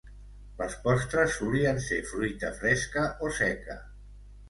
Les postres solien ser fruita fresca o seca.